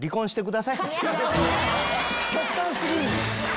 極端過ぎるねん！